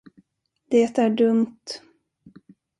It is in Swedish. Det är dumt.